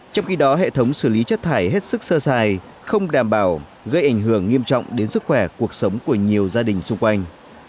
trong khi đó hệ thống xử lý chất thải hết sức sơ sài không đảm bảo gây ảnh hưởng nghiêm trọng đến sức khỏe cuộc sống của nhiều gia đình xung quanh